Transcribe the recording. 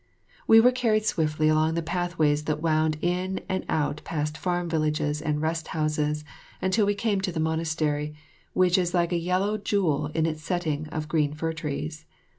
We were carried swiftly along the pathways that wound in and out past farm villages and rest houses until we came to the monastery, which is like a yellow jewel in its setting of green fir trees.